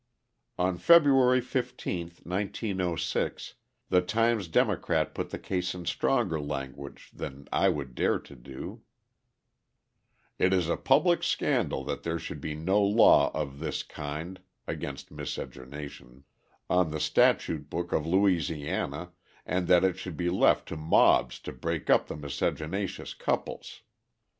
On February 15, 1906, the Times Democrat put the case in stronger language than I would dare to do: It is a public scandal that there should be no law of this kind (against miscegenation) on the statute book of Louisiana, and that it should be left to mobs to break up the miscegenatious couples.